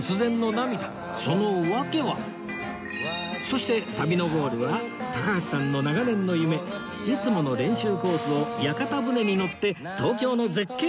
そして旅のゴールは高橋さんの長年の夢いつもの練習コースを屋形船に乗って東京の絶景堪能！